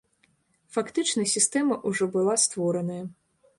Фактычна, сістэма ўжо была створаная.